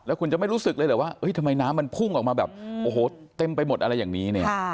แล้วคุณจะไม่รู้สึกเลยว่าทำไมน้ำมันพุ่งออกมาแบบเต็มไปหมดอะไรอย่างนี้